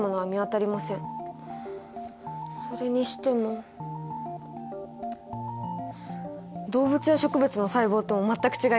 それにしても動物や植物の細胞とも全く違います。